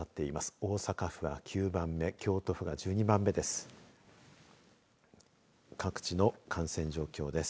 大阪府は９番目京都府が１２番目です。